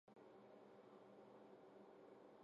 新宿区所在地。